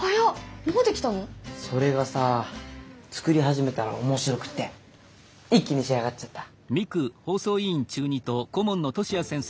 それがさ作り始めたら面白くって一気に仕上がっちゃった。